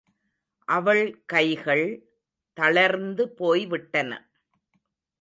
அவள் கைகள் தளர்ந்து போய்விட்டன.